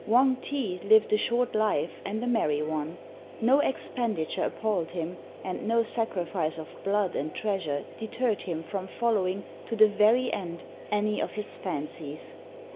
Wang ti lived a short life and a merry one; no expenditure appalled him, and no sacrifice of blood and treasure deterred him from following to the very end any of his fancies.